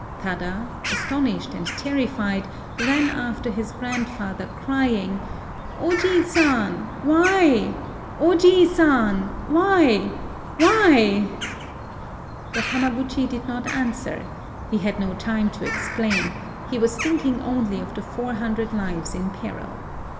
Tada, astonished and terrified, ran after his grandfather, crying, —" Ojiisan ! why ? Ojiisan ! why ?— why ?" But Hamaguchi did not answer : he had no time to explain ; he was thinking only of the four hundred lives in peril.